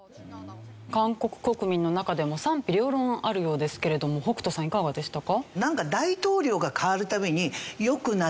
韓国国民の中でも賛否両論あるようですけれども北斗さんいかがでしたか？